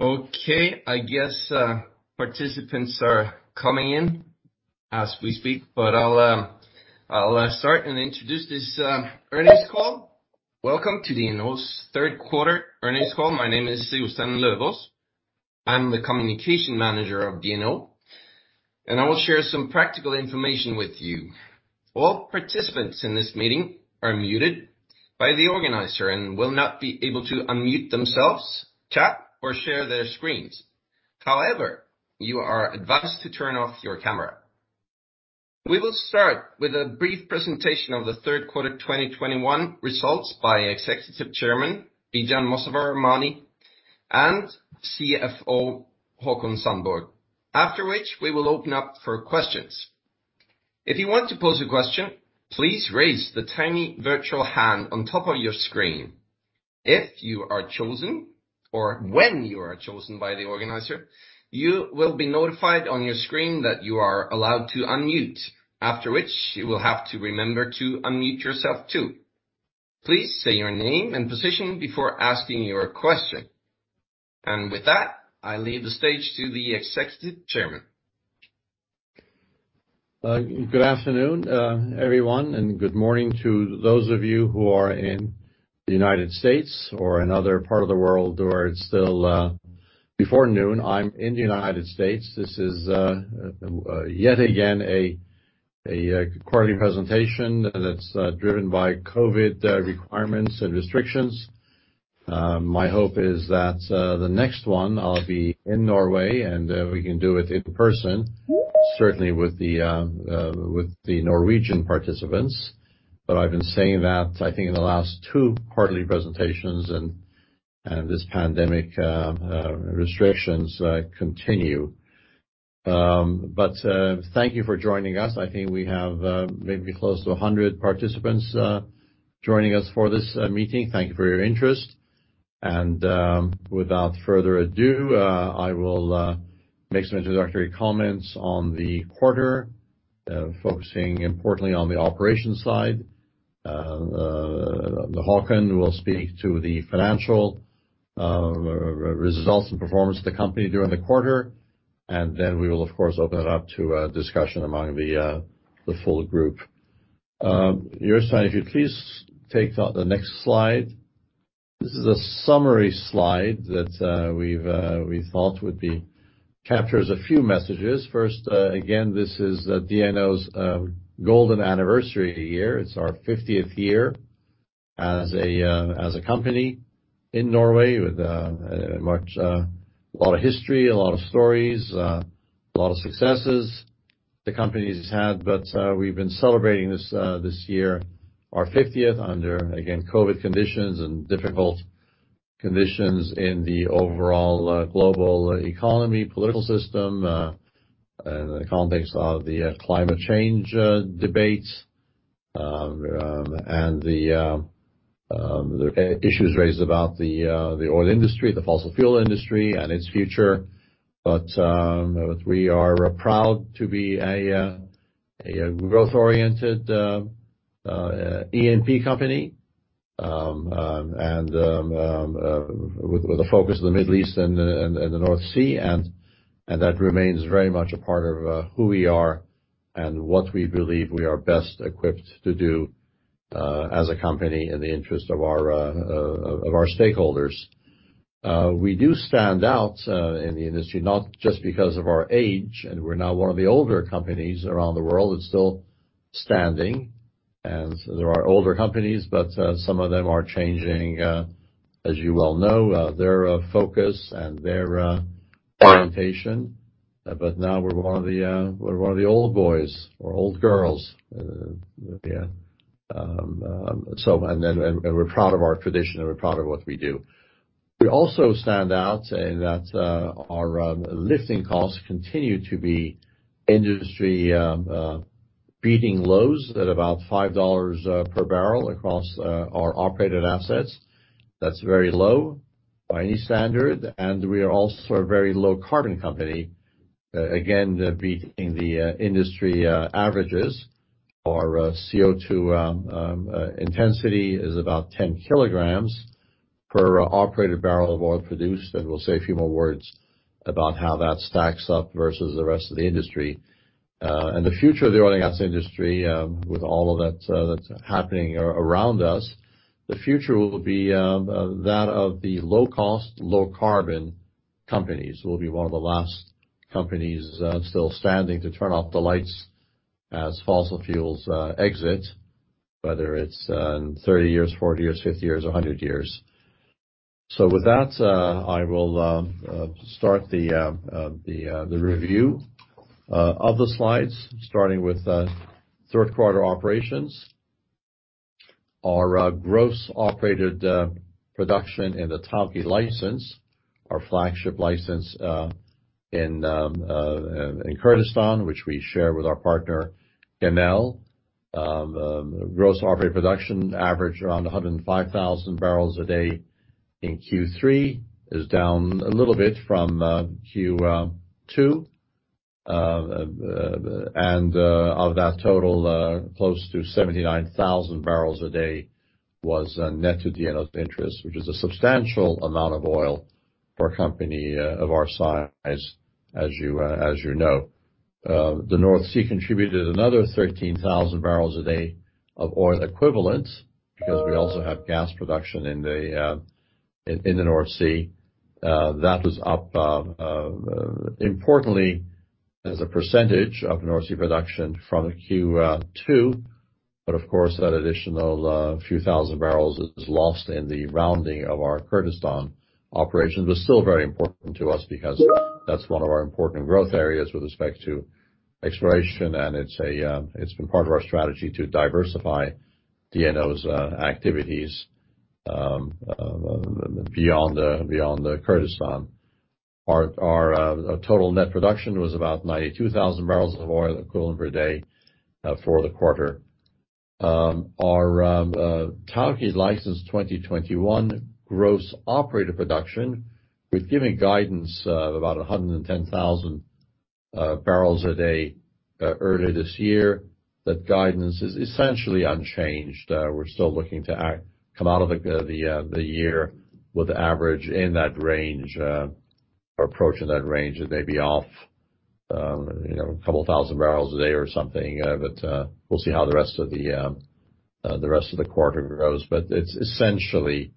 Okay, I guess, participants are coming in as we speak, but I'll start and introduce this earnings call. Welcome to DNO's third quarter earnings call. My name is Jostein Løvås. I'm the communication manager of DNO, and I will share some practical information with you. All participants in this meeting are muted by the organizer and will not be able to unmute themselves, chat, or share their screens. However, you are advised to turn off your camera. We will start with a brief presentation of the third quarter 2021 results by Executive Chairman Bijan Mossavar-Rahmani and CFO Håkon Sandborg. After which, we will open up for questions. If you want to pose a question, please raise the tiny virtual hand on top of your screen. If you are chosen or when you are chosen by the organizer, you will be notified on your screen that you are allowed to unmute. After which, you will have to remember to unmute yourself too. Please say your name and position before asking your question. With that, I leave the stage to the Executive Chairman. Good afternoon, everyone, and good morning to those of you who are in the United States or another part of the world where it's still before noon. I'm in the United States. This is yet again a quarterly presentation that's driven by COVID requirements and restrictions. My hope is that the next one, I'll be in Norway, and we can do it in person, certainly with the Norwegian participants. I've been saying that, I think, in the last two quarterly presentations, and this pandemic restrictions continue. Thank you for joining us. I think we have maybe close to 100 participants joining us for this meeting. Thank you for your interest. Without further ado, I will make some introductory comments on the quarter, focusing importantly on the operations side. Håkon will speak to the financial results and performance of the company during the quarter. We will of course open it up to a discussion among the full group. Jostein if you'd please take the next slide. This is a summary slide that we thought would capture a few messages. First, again, this is DNO's golden anniversary year. It's our fiftieth year as a company in Norway with a lot of history, a lot of stories, a lot of successes the company's had. We've been celebrating this year, our 50th under, again, COVID conditions and difficult conditions in the overall global economy, political system, and the context of the climate change debates. The issues raised about the oil industry, the fossil fuel industry and its future. We are proud to be a growth-oriented E&P company with a focus on the Middle East and the North Sea, and that remains very much a part of who we are and what we believe we are best equipped to do as a company in the interest of our stakeholders. We do stand out in the industry, not just because of our age, and we're now one of the older companies around the world that's still standing. There are older companies, but some of them are changing, as you well know, their focus and their orientation. Now we're one of the old boys or old girls. We're proud of our tradition, and we're proud of what we do. We also stand out in that our lifting costs continue to be industry beating lows at about $5 per barrel across our operated assets. That's very low by any standard. We are also a very low carbon company, again, beating the industry averages. Our CO2 intensity is about 10 kilograms per operated barrel of oil produced, and we'll say a few more words about how that stacks up versus the rest of the industry. The future of the oil and gas industry, with all of that that's happening around us, the future will be that of the low-cost, low-carbon companies. We'll be one of the last companies still standing to turn off the lights as fossil fuels exit, whether it's in 30 years, 40 years, 50 years, 100 years. With that, I will start the review of the slides, starting with the third quarter operations. Our gross operated production in the Tawke license, our flagship license, in Kurdistan, which we share with our partner, Genel. Gross operated production averaged around 105,000 barrels a day in Q3, which is down a little bit from Q2. Of that total, close to 79,000 barrels a day was net to DNO's interest, which is a substantial amount of oil for a company of our size, as you know. The North Sea contributed another 13,000 barrels a day of oil equivalent because we also have gas production in the North Sea. That was up, importantly, as a percentage of North Sea production from Q2. But of course, that additional few thousand barrels is lost in the rounding of our Kurdistan operations. Still very important to us because that's one of our important growth areas with respect to exploration, and it's been part of our strategy to diversify DNO's activities beyond Kurdistan. Our total net production was about 92,000 barrels of oil equivalent per day for the quarter. Our Tawke license 2021 gross operator production, we've given guidance of about 110,000 barrels a day earlier this year. That guidance is essentially unchanged. We're still looking to come out of the year with average in that range or approaching that range. It may be off, you know, a couple of thousand barrels a day or something. We'll see how the rest of the quarter grows. It's essentially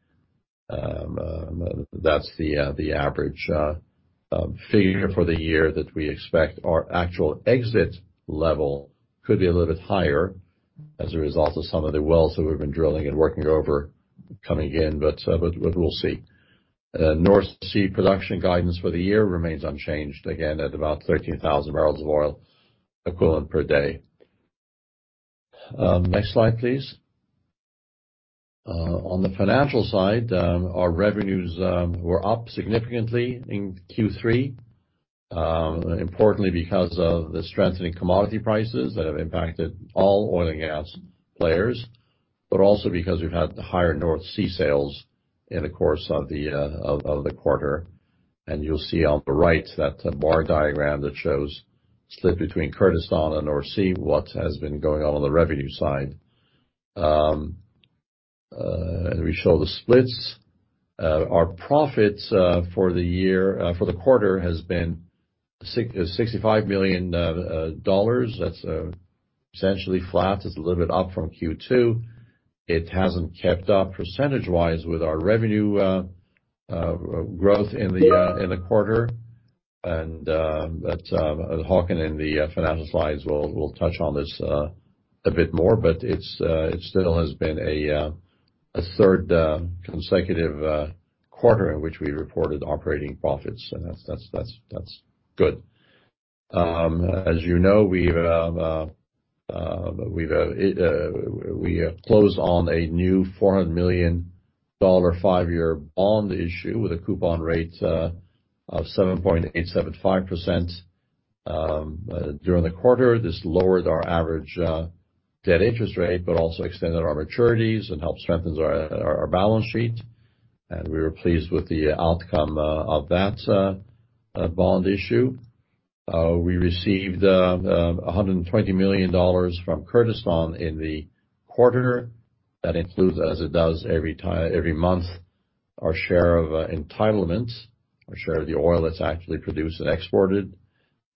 that's the average figure for the year that we expect. Our actual exit level could be a little bit higher as a result of some of the wells that we've been drilling and working over coming in. We'll see. North Sea production guidance for the year remains unchanged, again, at about 13,000 barrels of oil equivalent per day. Next slide, please. On the financial side, our revenues were up significantly in Q3. Importantly, because of the strengthening commodity prices that have impacted all oil and gas players, but also because we've had higher North Sea sales in the course of the quarter. You'll see on the right that the bar diagram that shows split between Kurdistan and North Sea, what has been going on on the revenue side. We show the splits. Our profits for the quarter has been $65 million. That's essentially flat. It's a little bit up from Q2. It hasn't kept up percentage-wise with our revenue growth in the quarter. Håkon in the financial slides will touch on this a bit more, but it still has been a third consecutive quarter in which we reported operating profits. That's good. As you know, we closed on a new $400 million five-year bond issue with a coupon rate of 7.875% during the quarter. This lowered our average debt interest rate, but also extended our maturities and helped strengthen our balance sheet. We were pleased with the outcome of that bond issue. We received $120 million from Kurdistan in the quarter. That includes, as it does every month, our share of entitlements, our share of the oil that's actually produced and exported,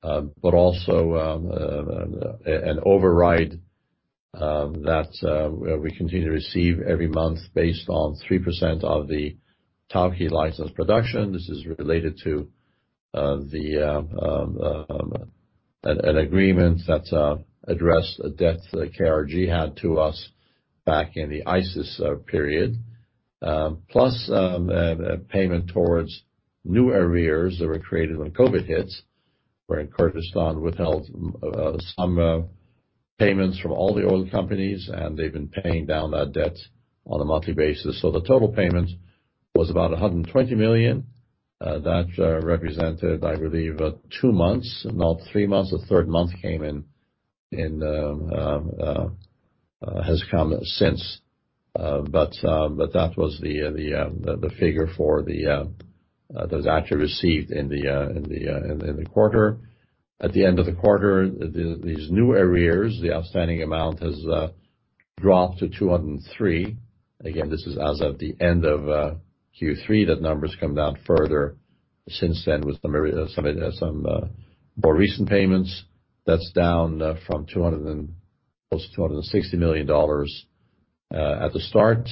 but also an override that we continue to receive every month based on 3% of the Tawke license production. This is related to an agreement that addressed a debt that KRG had to us back in the ISIS period. Plus, a payment towards new arrears that were created when COVID hit, wherein Kurdistan withheld some payments from all the oil companies, and they've been paying down that debt on a monthly basis. The total payment was about $120 million. That represented, I believe, two months, not three months. The third month has come since. That was the figure that was actually received in the quarter. At the end of the quarter, these new arrears, the outstanding amount has dropped to $203 million. Again, this is as of the end of Q3. That number's come down further since then with some more recent payments. That's down from close to $260 million at the start.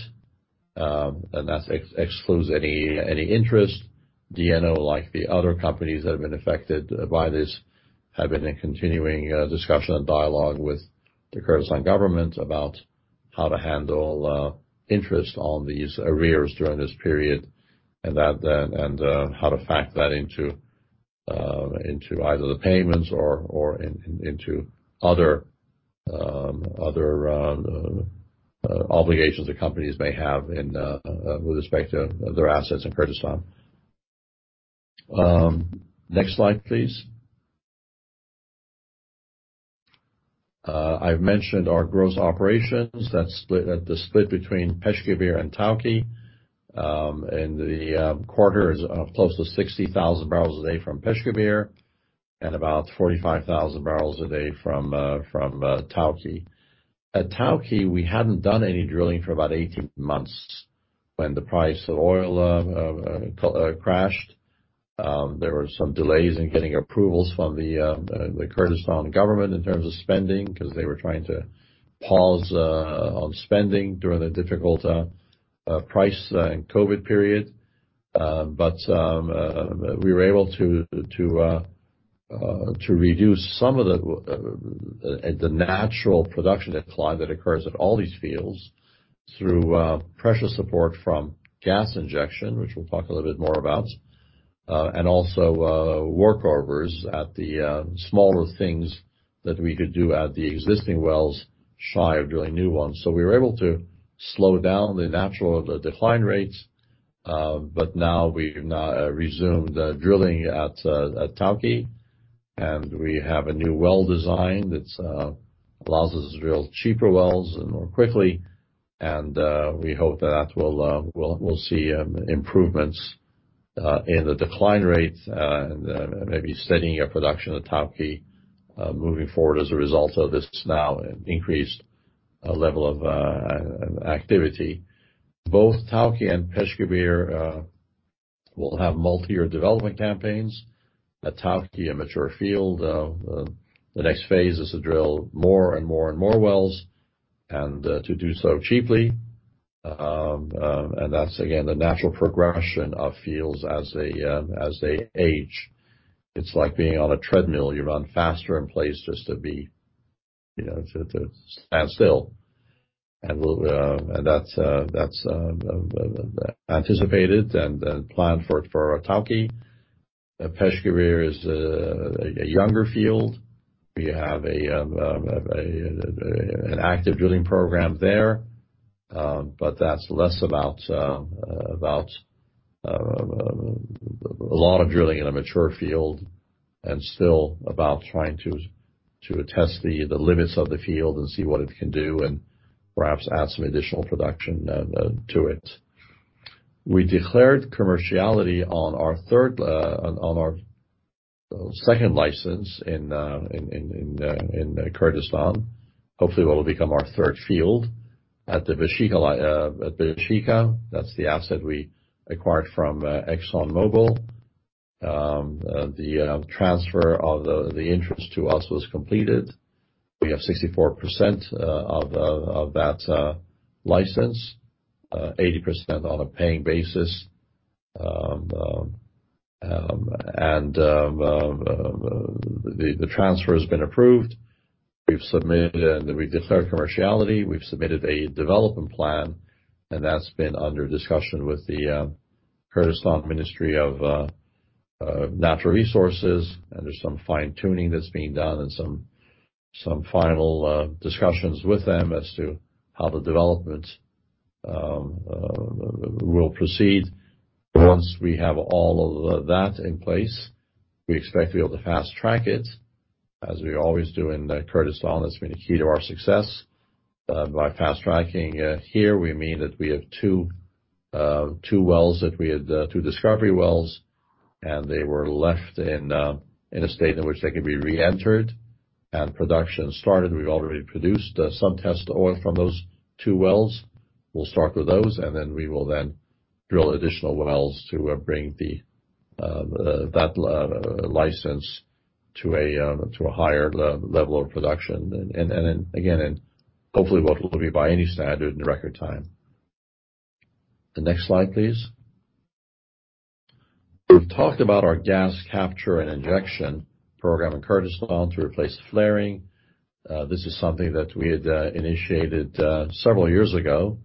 That excludes any interest. DNO, like the other companies that have been affected by this, have been in continuing discussion and dialogue with the Kurdistan government about how to handle interest on these arrears during this period, and how to factor that into either the payments or into other obligations the companies may have with respect to their assets in Kurdistan. Next slide, please. I've mentioned our gross operations that split between Peshkabir and Tawke. The quarter is close to 60,000 barrels a day from Peshkabir and about 45,000 barrels a day from Tawke. At Tawke, we hadn't done any drilling for about 18 months when the price of oil crashed. There were some delays in getting approvals from the Kurdistan government in terms of spending, 'cause they were trying to pause on spending during the difficult price and COVID period. But we were able to reduce some of the natural production decline that occurs at all these fields through pressure support from gas injection, which we'll talk a little bit more about. Also, workovers and the smaller things that we could do at the existing wells shy of drilling new ones. We were able to slow down the decline rates, but now we've resumed drilling at Tawke, and we have a new well design which allows us to drill cheaper wells and more quickly. We hope that we'll see improvements in the decline rates and maybe steadying our production at Tawke moving forward as a result of this now increased level of activity. Both Tawke and Peshkabir will have multi-year development campaigns. At Tawke, a mature field, the next phase is to drill more and more and more wells, and to do so cheaply. That's again the natural progression of fields as they age. It's like being on a treadmill. You run faster in place just to be, you know, to stand still. That's anticipated and planned for Tawke. Peshkabir is a younger field. We have an active drilling program there, but that's less about a lot of drilling in a mature field and still about trying to test the limits of the field and see what it can do and perhaps add some additional production to it. We declared commerciality on our second license in Kurdistan. Hopefully, what will become our third field at the Baeshiqa. That's the asset we acquired from ExxonMobil. The transfer of the interest to us was completed. We have 64% of that license, 80% on a paying basis. The transfer has been approved. We've submitted and we declared commerciality. We've submitted a development plan, and that's been under discussion with the Kurdistan Ministry of Natural Resources. There's some fine-tuning that's being done and some final discussions with them as to how the development will proceed. Once we have all of that in place, we expect to be able to fast-track it, as we always do in Kurdistan. That's been the key to our success. By fast-tracking it here, we mean that we have two discovery wells, and they were left in a state in which they can be reentered and production started. We've already produced some test oil from those two wells. We'll start with those, and then we will drill additional wells to bring that license to a higher level of production. Again, hopefully what will be by any standard in record time. The next slide, please. We've talked about our gas capture and injection program in Kurdistan to replace flaring. This is something that we had initiated several years ago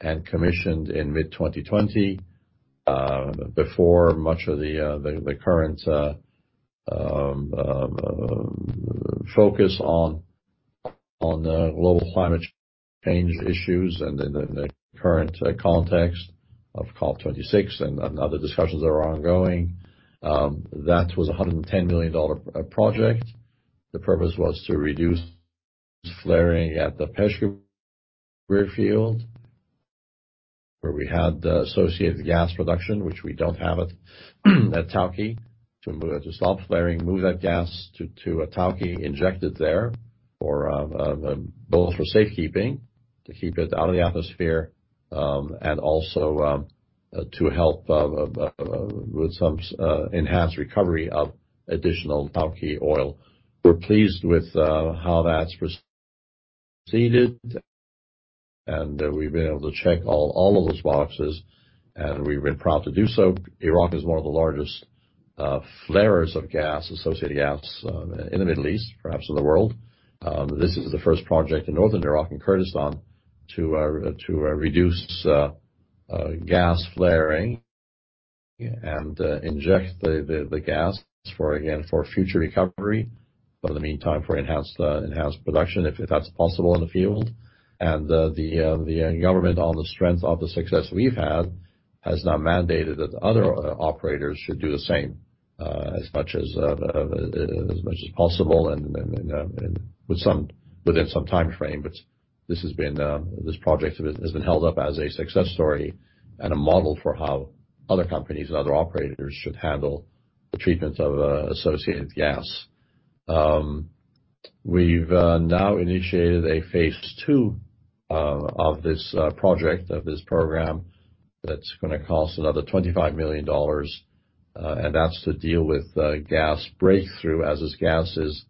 and commissioned in mid-2020, before much of the current focus on global climate change issues and in the current context of COP26 and other discussions that are ongoing. That was a $110 million project. The purpose was to reduce flaring at the Peshkabir field, where we had associated gas production, which we don't have at Tawke, to stop flaring, move that gas to Tawke, inject it there for both for safekeeping, to keep it out of the atmosphere, and also to help with some enhanced recovery of additional Tawke oil. We're pleased with how that's proceeded, and we've been able to check all of those boxes, and we've been proud to do so. Iraq is one of the largest flares of gas, associated gas, in the Middle East, perhaps in the world. This is the first project in northern Iraq and Kurdistan to reduce gas flaring and inject the gas for again for future recovery. In the meantime, for enhanced production, if that's possible in the field. The government on the strength of the success we've had has now mandated that other operators should do the same, as much as possible, within some timeframe. This project has been held up as a success story and a model for how other companies and other operators should handle the treatment of associated gas. We've now initiated a phase II of this program that's gonna cost another $25 million, and that's to deal with gas breakthrough. As this gas is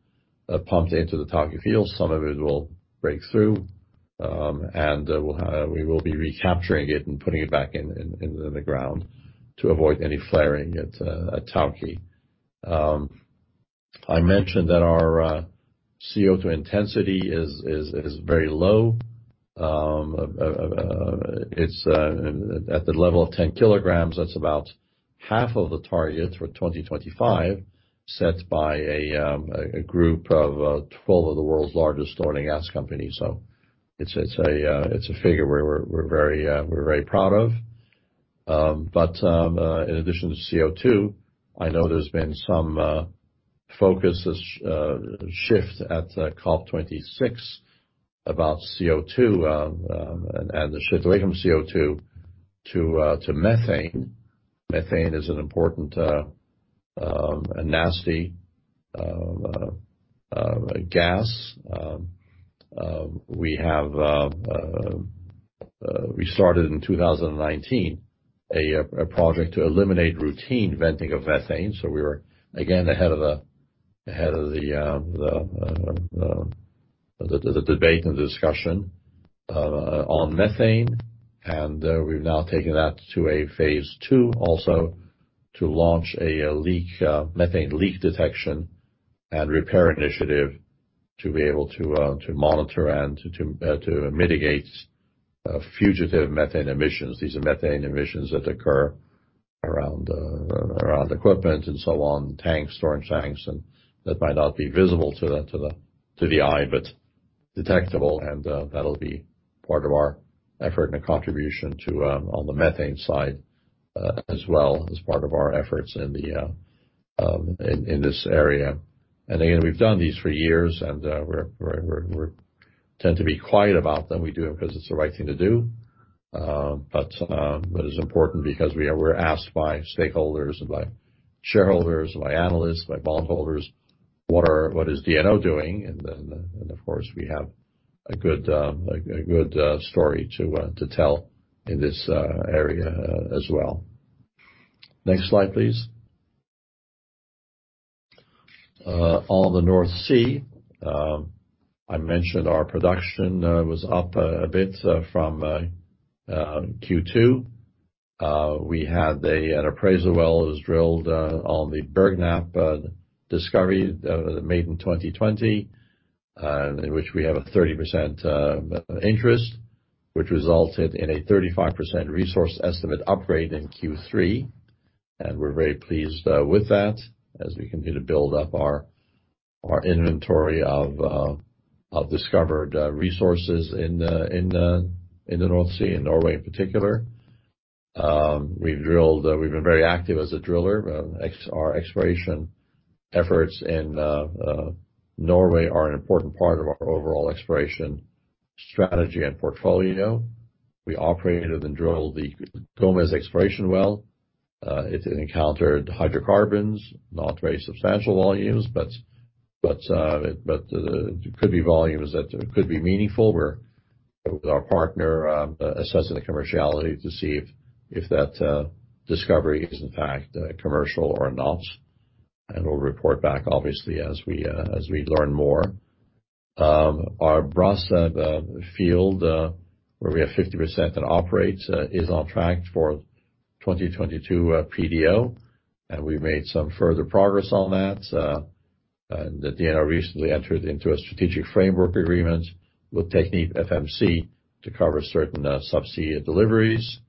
pumped into the Tawke field, some of it will break through. We will be recapturing it and putting it back in the ground to avoid any flaring at Tawke. I mentioned that our CO2 intensity is very low. It's at the level of 10 kilograms. That's about 1/2 of the target for 2025, set by a group of 12 of the world's largest oil and gas companies. It's a figure we're very proud of. In addition to CO2, I know there's been some focus, a shift at COP26 about CO2 and the shift away from CO2 to methane. Methane is an important nasty gas. We started in 2019 a project to eliminate routine venting of methane. We were again ahead of the debate and discussion on methane. We've now taken that to a phase II, also to launch a methane leak detection and repair initiative, to be able to monitor and to mitigate fugitive methane emissions. These are methane emissions that occur around equipment and so on, tanks, storage tanks, and that might not be visible to the eye, but detectable. That'll be part of our effort and contribution to, on the methane side, as well as part of our efforts in this area. Again, we've done these for years, and we tend to be quiet about them. We do it because it's the right thing to do. It's important because we are asked by stakeholders and by shareholders, by analysts, by bond holders, what is DNO doing? Of course, we have a good story to tell in this area as well. Next slide, please. On the North Sea, I mentioned our production was up a bit from Q2. We had an appraisal well was drilled on the Bergknapp discovery made in 2020 in which we have a 30% interest, which resulted in a 35% resource estimate upgrade in Q3. We're very pleased with that as we continue to build up our inventory of discovered resources in the North Sea, in Norway in particular. We've been very active as a driller. Our exploration efforts in Norway are an important part of our overall exploration strategy and portfolio. We operated and drilled the Gomez exploration well. It encountered hydrocarbons, not very substantial volumes, but could be volumes that could be meaningful. Our partner assessing the commerciality to see if that discovery is in fact commercial or not. We'll report back, obviously, as we learn more. Our Brasse field, where we have 50% and we operate, is on track for 2022 PDO, and we've made some further progress on that. DNO recently entered into a strategic framework agreement with TechnipFMC to cover certain subsea deliveries.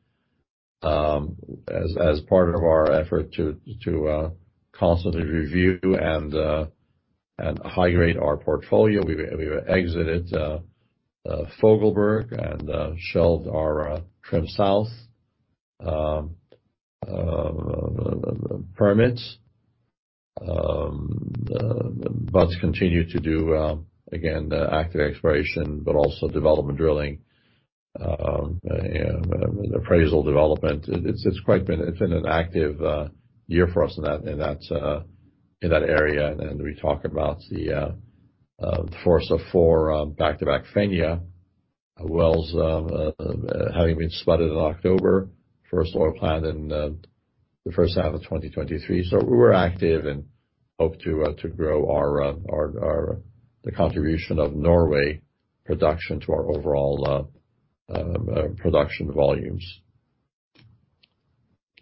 As part of our effort to constantly review and high-grade our portfolio, we exited Fogelberg and shelved our Trym South permits. We continue to do active exploration, but also development drilling, appraisal development. It's been an active year for us in that area. We talk about the fourth of four back-to-back Peshkabir wells having been spudded in October. First oil planned in the first half of 2023. We're active and hope to grow our contribution of Norway production to our overall production volumes.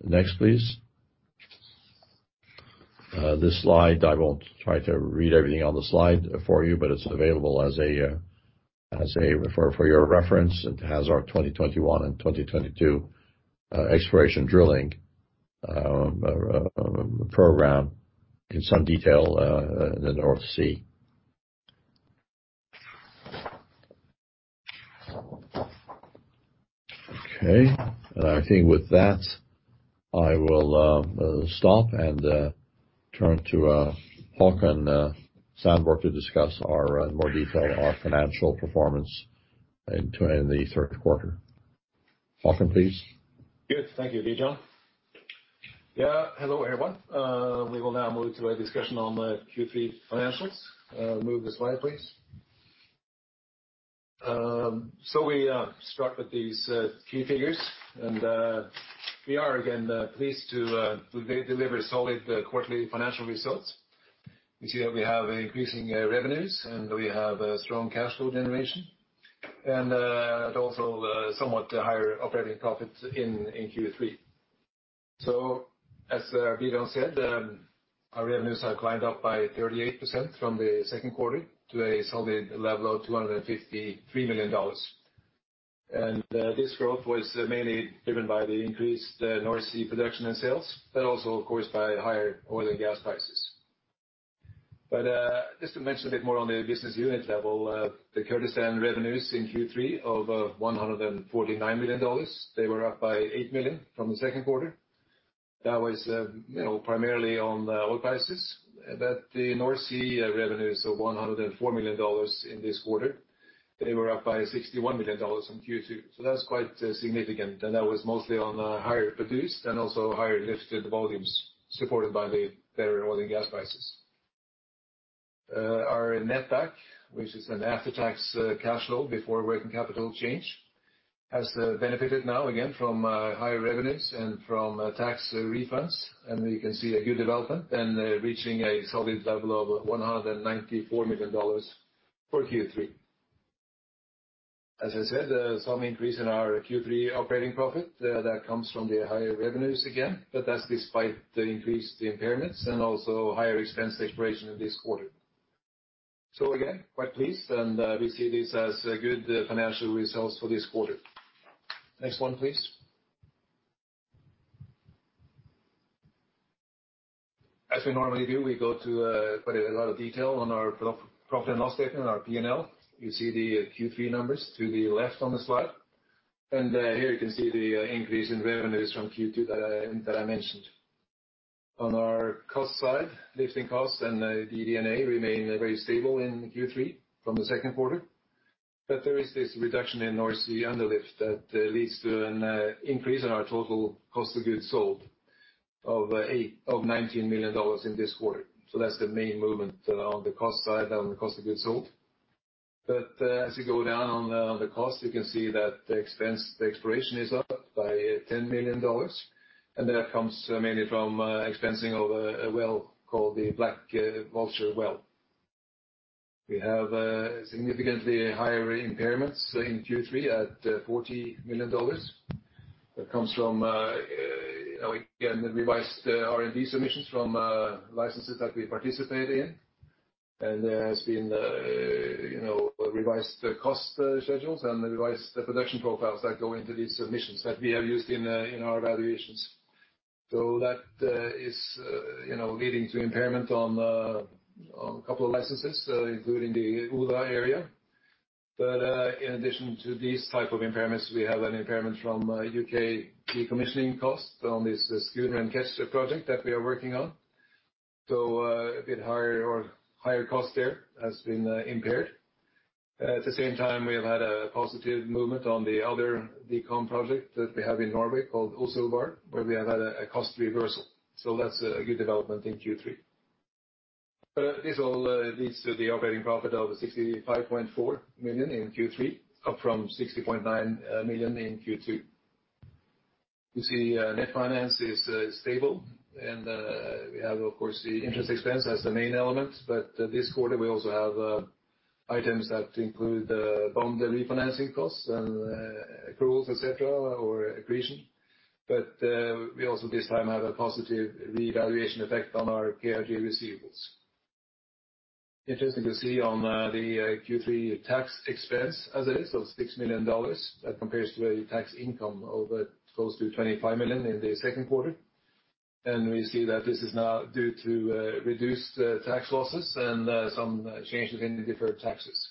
Next, please. This slide, I won't try to read everything on the slide for you, but it's available as a reference for your reference. It has our 2021 and 2022 exploration drilling program in some detail in the North Sea. Okay. I think with that, I will stop and turn to Håkon Sandborg to discuss in more detail our financial performance in the third quarter. Håkon, please. Good. Thank you, Bijan. Hello, everyone. We will now move to a discussion on the Q3 financials. Move the slide, please. We start with these key figures, and we are again pleased to deliver solid quarterly financial results. You see that we have increasing revenues and we have a strong cash flow generation and also somewhat higher operating profits in Q3. As Bijan said, our revenues have climbed up by 38% from the second quarter to a solid level of $253 million. This growth was mainly driven by the increased North Sea production and sales, but also, of course, by higher oil and gas prices. Just to mention a bit more on the business unit level, the Kurdistan revenues in Q3 of $149 million, they were up by $8 million from the second quarter. That was, you know, primarily on oil prices. The North Sea revenues of $104 million in this quarter, they were up by $61 million from Q2. So that's quite significant. That was mostly on higher produced and also higher lifted volumes supported by the better oil and gas prices. Our netback, which is an after-tax cash flow before working capital change, has benefited now again from higher revenues and from tax refunds. We can see a good development and reaching a solid level of $194 million for Q3. As I said, some increase in our Q3 operating profit, that comes from the higher revenues again, but that's despite the increased impairments and also higher exploration expenses in this quarter. Again, quite pleased, and we see this as good financial results for this quarter. Next one, please. As we normally do, we go to quite a lot of detail on our profit and loss statement, our P&L. You see the Q3 numbers to the left on the slide. Here you can see the increase in revenues from Q2 that I mentioned. On our cost side, lifting costs and DD&A remain very stable in Q3 from the second quarter. There is this reduction in North Sea underlift that leads to an increase in our total cost of goods sold of $19 million in this quarter. That's the main movement on the cost side, on the cost of goods sold. As you go down on the cost, you can see that the expense, the exploration is up by $10 million, and that comes mainly from expensing of a well called the Black Vulture well. We have significantly higher impairments in Q3 at $40 million. That comes from again, the revised RNB submissions from licenses that we participate in. And there has been, you know, revised cost schedules and revised production profiles that go into these submissions that we have used in our evaluations. That is, you know, leading to impairment on a couple of licenses, including the Ula area. in addition to these type of impairments, we have an impairment from U.K. decommissioning cost on this Skuan and Kester project that we are working on. A bit higher cost there has been impaired. At the same time, we have had a positive movement on the other decom project that we have in Norway called Utsira, where we have had a cost reversal. That's a good development in Q3. This all leads to the operating profit of $65.4 million in Q3, up from $60.9 million in Q2. You see, net finance is stable, and we have, of course, the interest expense as the main element. This quarter, we also have items that include bond refinancing costs and accruals, et cetera, or accretion. We also this time have a positive revaluation effect on our KRG receivables. Interesting to see on the Q3 tax expense as it is of $6 million. That compares to a tax income of close to $25 million in the second quarter. We see that this is now due to reduced tax losses and some changes in the deferred taxes.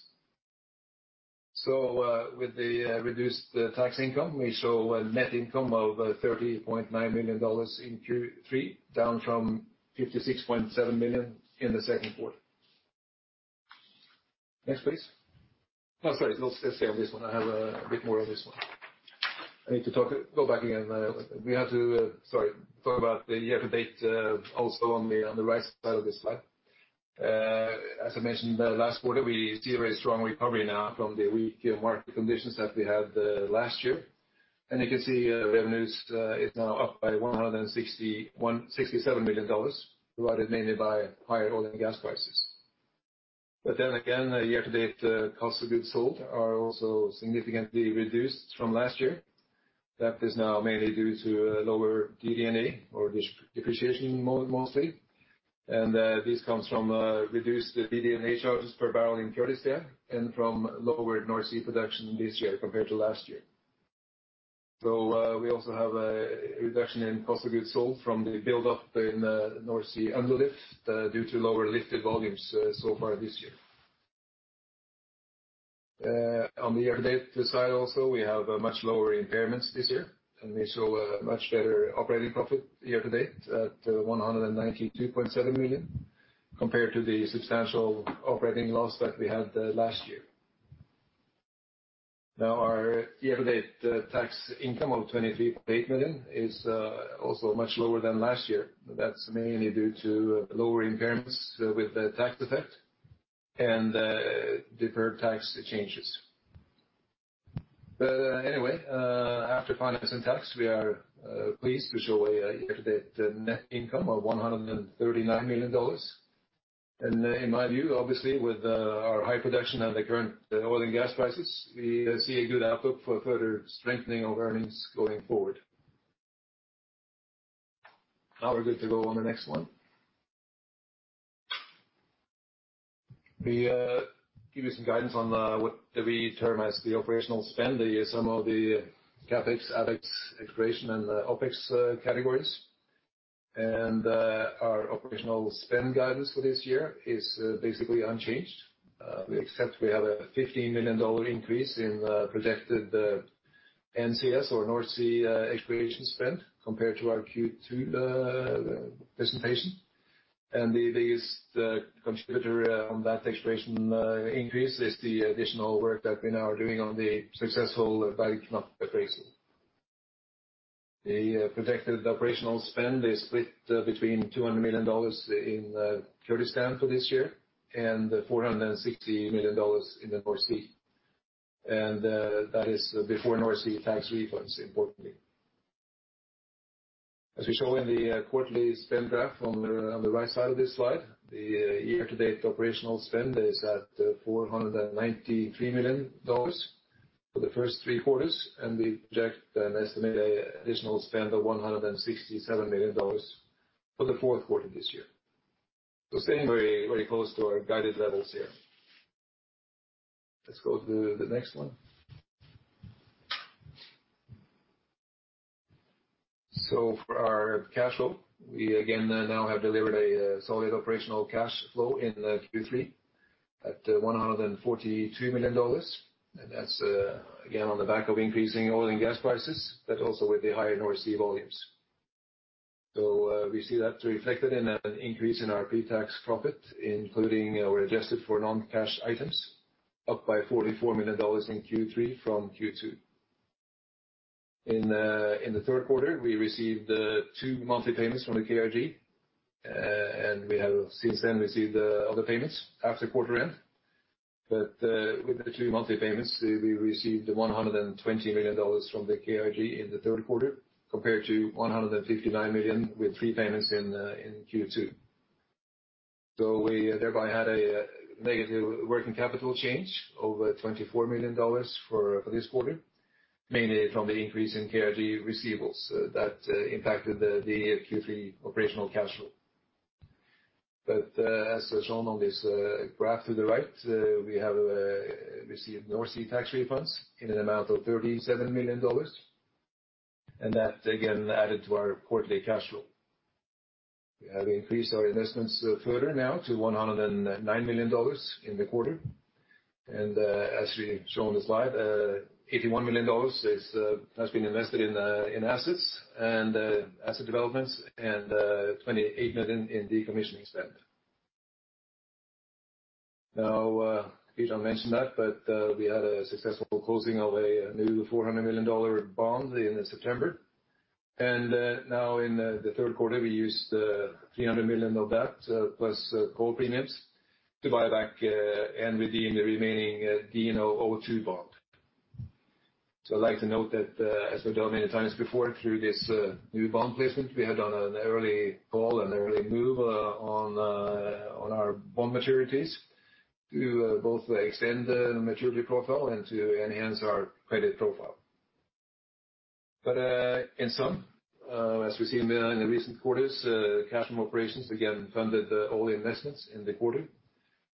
With the reduced tax income, we show a net income of $30.9 million in Q3, down from $56.7 million in the second quarter. Next, please. I'm sorry. Let's just stay on this one. I have a bit more on this one. Go back again. We have to talk about the year-to-date also on the right side of this slide. As I mentioned last quarter, we see a very strong recovery now from the weak market conditions that we had last year. You can see revenues is now up by $167 million, provided mainly by higher oil and gas prices. Year-to-date, cost of goods sold are also significantly reduced from last year. That is now mainly due to lower DD&A or depreciation mostly. This comes from reduced DD&A charges per barrel in Kurdistan and from lower North Sea production this year compared to last year. We also have a reduction in cost of goods sold from the build-up in North Sea underlift due to lower lifted volumes so far this year. On the year-to-date side also, we have much lower impairments this year, and we show a much better operating profit year-to-date at $192.7 million, compared to the substantial operating loss that we had last year. Now our year-to-date tax income of $23.8 million is also much lower than last year. That's mainly due to lower impairments with the tax effect and deferred tax changes. Anyway, after finance and tax, we are pleased to show a year-to-date net income of $139 million. In my view, obviously, with our high production and the current oil and gas prices, we see a good outlook for further strengthening of earnings going forward. Now we're good to go on the next one. We give you some guidance on what we term as the operational spend, the sum of the CapEx, OpEx, exploration, and the OpEx categories. Our operational spend guidance for this year is basically unchanged. We expect we have a $15 million increase in projected NCS or North Sea exploration spend compared to our Q2 presentation. The biggest contributor on that exploration increase is the additional work that we now are doing on the successful. The projected operational spend is split between $200 million in Kurdistan for this year and $460 million in the North Sea. That is before North Sea tax refunds, importantly. As we show in the quarterly spend graph on the right side of this slide, the year-to-date operational spend is at $493 million for the first three quarters, and we project an estimated additional spend of $167 million for the fourth quarter this year. Staying very, very close to our guided levels here. Let's go to the next one. For our cash flow, we again now have delivered a solid operational cash flow in Q3 at $143 million. And that's again, on the back of increasing oil and gas prices, but also with the higher North Sea volumes. We see that reflected in an increase in our pre-tax profit, including or adjusted for non-cash items, up by $44 million in Q3 from Q2. In the third quarter, we received two monthly payments from the KRG, and we have since then received other payments after quarter end. With the two monthly payments, we received $120 million from the KRG in the third quarter, compared to $159 million with three payments in Q2. We thereby had a negative working capital change over $24 million for this quarter, mainly from the increase in KRG receivables that impacted the Q3 operational cash flow. As shown on this graph to the right, we have received North Sea tax refunds in an amount of $37 million, and that again added to our quarterly cash flow. We have increased our investments further now to $109 million in the quarter. As we show on the slide, $81 million has been invested in assets and asset developments and $28 million in decommissioning spend. Peter mentioned that, but we had a successful closing of a new $400 million bond in September. Now in the third quarter, we used $300 million of that plus call premiums to buy back and redeem the remaining DNO '02 bond. I'd like to note that, as I've done many times before, through this new bond placement, we have done an early call and early move on our bond maturities to both extend the maturity profile and to enhance our credit profile. In sum, as we've seen in the recent quarters, cash from operations again funded all investments in the quarter.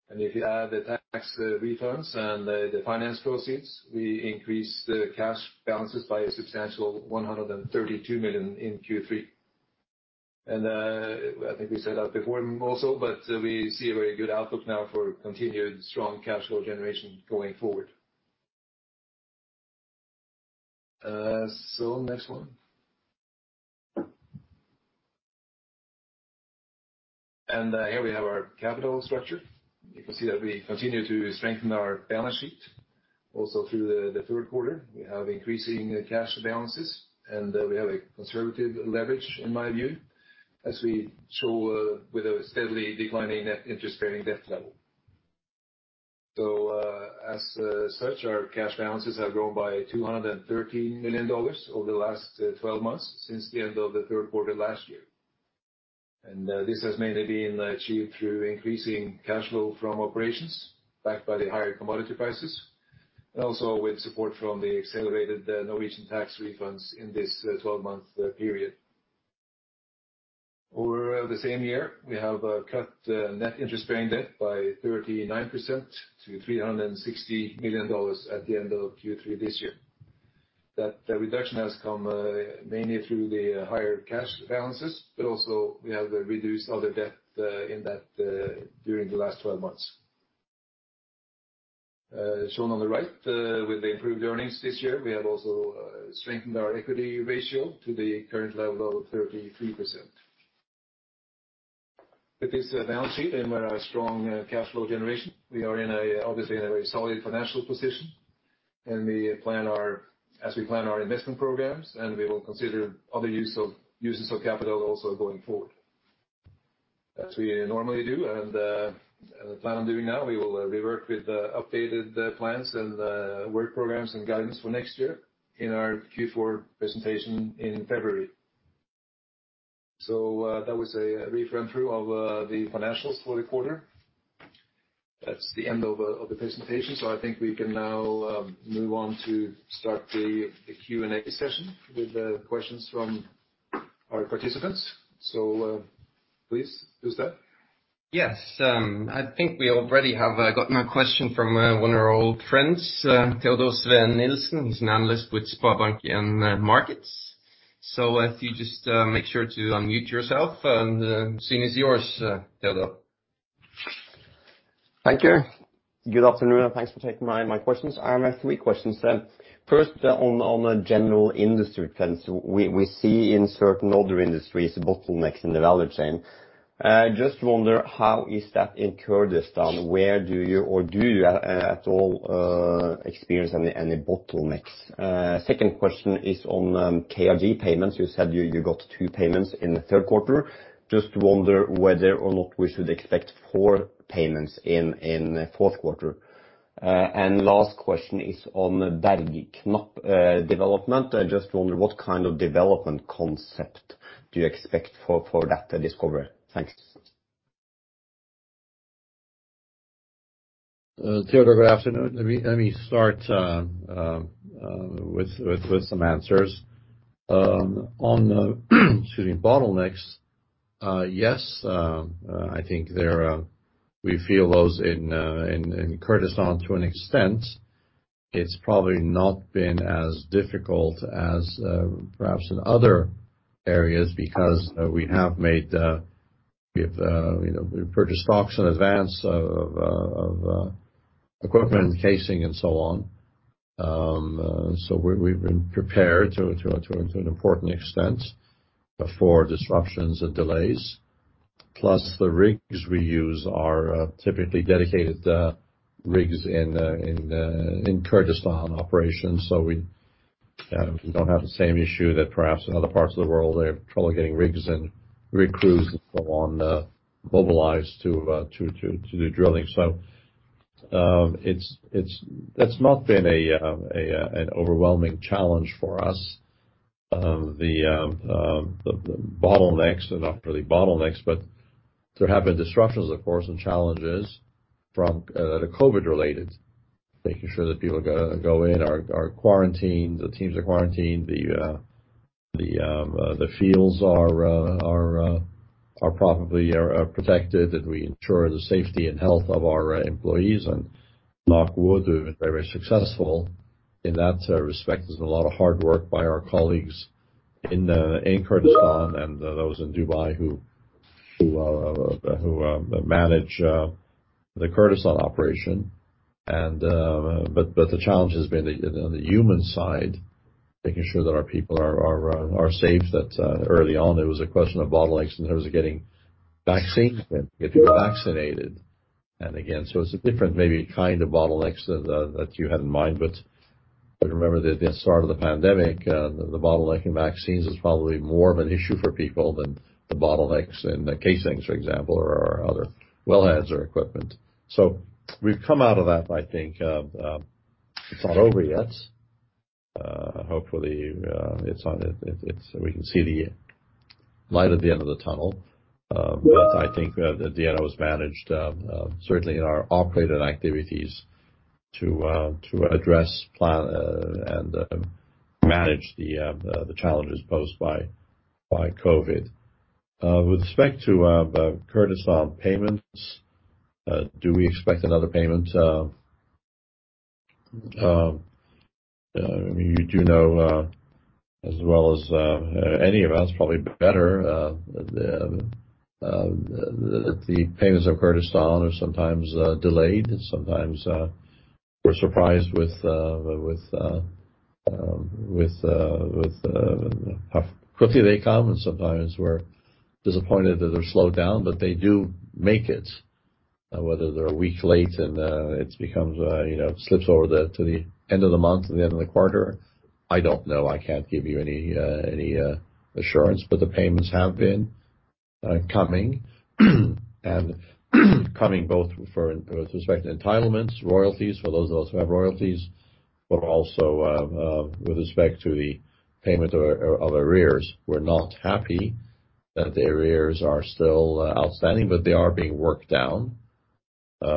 If you add the tax refunds and the finance proceeds, we increased the cash balances by a substantial $132 million in Q3. I think we said that before also, but we see a very good outlook now for continued strong cash flow generation going forward. So next one. Here we have our capital structure. You can see that we continue to strengthen our balance sheet. Also through the third quarter, we have increasing cash balances, and we have a conservative leverage in my view, as we show with a steadily declining net interest-bearing debt level. As such, our cash balances have grown by $213 million over the last 12 months since the end of the third quarter last year. This has mainly been achieved through increasing cash flow from operations backed by the higher commodity prices. Also with support from the accelerated Norwegian tax refunds in this twelve-month period. Over the same year, we have cut net interest-bearing debt by 39% to $360 million at the end of Q3 this year. That reduction has come mainly through the higher cash balances, but also we have reduced other debt in that during the last twelve months. Shown on the right with the improved earnings this year, we have also strengthened our equity ratio to the current level of 33%. With this balance sheet and with our strong cash flow generation, we are in an obviously very solid financial position, and as we plan our investment programs, we will consider other uses of capital also going forward. As we normally do and plan on doing now, we will work with the updated plans and work programs and guidance for next year in our Q4 presentation in February. That was a brief run through of the financials for the quarter. That's the end of the presentation. I think we can now move on to start the Q&A session with the questions from our participants. Please, Jostein. Yes. I think we already have gotten a question from one of our old friends, Teodor Sveen-Nilsen, who's an analyst with SpareBank 1 Markets. If you just make sure to unmute yourself, and the scene is yours, Teodor. Thank you. Good afternoon, and thanks for taking my questions. I have three questions. First, on a general industry trends, we see in certain other industries bottlenecks in the value chain. I just wonder, how is that in Kurdistan? Where do you or do you at all experience any bottlenecks? Second question is on KRG payments. You said you got two payments in the third quarter. I just wonder whether or not we should expect four payments in the fourth quarter. Last question is on the Bergknapp development. I just wonder what kind of development concept do you expect for that discovery. Thanks. Theodore, good afternoon. Let me start with some answers. Excuse me, on the bottlenecks. Yes, I think we feel those in Kurdistan to an extent. It's probably not been as difficult as perhaps in other areas because we have, you know, purchased stocks in advance of equipment casing and so on. We've been prepared to an important extent for disruptions and delays. Plus, the rigs we use are typically dedicated rigs in Kurdistan operations. We don't have the same issue that perhaps in other parts of the world they have trouble getting rigs and rig crews and so on mobilized to do drilling. It's not been an overwhelming challenge for us. The bottlenecks are not really bottlenecks, but there have been disruptions, of course, and challenges from the COVID-related, making sure that people go in, are quarantined, the teams are quarantined. The fields are probably protected, that we ensure the safety and health of our employees. Knock wood, we've been very successful in that respect. There's a lot of hard work by our colleagues in Kurdistan and those in Dubai who manage the Kurdistan operation. But the challenge has been on the human side, making sure that our people are safe. That early on, it was a question of bottlenecks in terms of getting vaccines and get people vaccinated. It's a different maybe kind of bottlenecks that you had in mind. Remember that at the start of the pandemic, the bottleneck in vaccines is probably more of an issue for people than the bottlenecks in the casings, for example, or other wellheads or equipment. We've come out of that, I think. It's not over yet. Hopefully, we can see the light at the end of the tunnel. I think that at the end, it was managed, certainly in our operated activities to address, plan, and manage the challenges posed by COVID. With respect to Kurdistan payments, do we expect another payment? You do know, as well as any of us, probably better, that the payments of Kurdistan are sometimes delayed and sometimes we're surprised with how quickly they come, and sometimes we're disappointed that they're slowed down, but they do make it. Whether they're a week late and it becomes, you know, slips over to the end of the month or the end of the quarter, I don't know. I can't give you any assurance, but the payments have been coming. Coming both for with respect to entitlements, royalties for those of us who have royalties, but also with respect to the payment of arrears. We're not happy that the arrears are still outstanding, but they are being worked down. You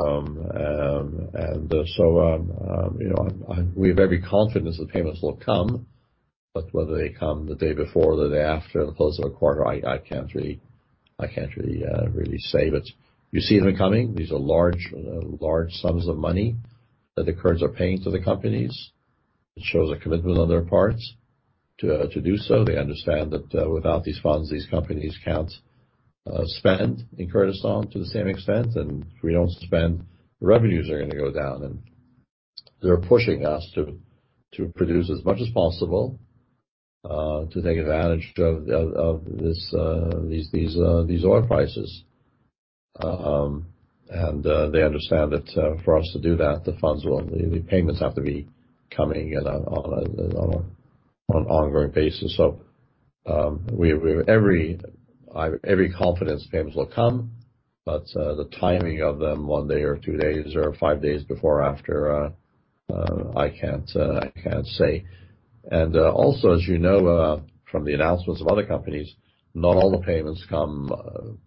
know, we have every confidence the payments will come, but whether they come the day before or the day after the close of the quarter, I can't really say. You see them coming. These are large sums of money that the Kurds are paying to the companies. It shows a commitment on their parts to do so. They understand that without these funds, these companies can't spend in Kurdistan to the same extent. If we don't spend, revenues are gonna go down, and they're pushing us to produce as much as possible to take advantage of these oil prices. They understand that for us to do that, the payments have to be coming in on an ongoing basis. We have every confidence payments will come, but the timing of them one day or two days or five days before or after, I can't say. Also, as you know, from the announcements of other companies, not all the payments come